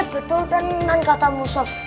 betul tenang kata musuh